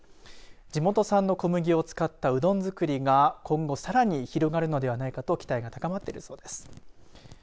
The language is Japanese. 地元産の小麦を使ったうどん作りが今後さらに広がるのではないかと期待が高まっているそうです。